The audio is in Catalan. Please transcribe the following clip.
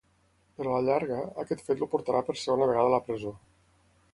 Però a la llarga, aquest fet el portarà per segona vegada a la presó.